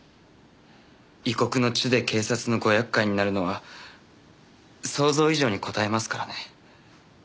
異国の地で警察のご厄介になるのは想像以上にこたえますからね。